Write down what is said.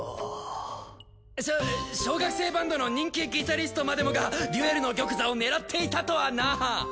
しょ小学生バンドの人気ギタリストまでもがデュエルの玉座を狙っていたとはな。